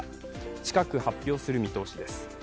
近く発表する見通しです。